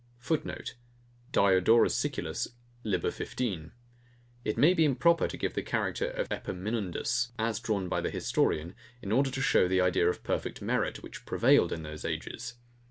[Footnote: Diodorus Siculus, lib. xv. It may be improper to give the character of Epaminondas, as drawn by the historian, in order to show the idea of perfect merit, which prevailed in those ages.